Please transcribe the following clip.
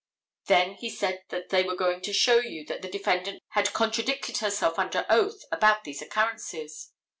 Then he said that they were going to show you that the defendant had contradicted herself under oath about these occurrences.